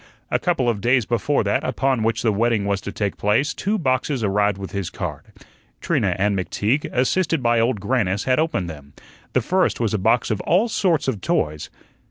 A couple of days before that upon which the wedding was to take place, two boxes arrived with his card. Trina and McTeague, assisted by Old Grannis, had opened them. The first was a box of all sorts of toys.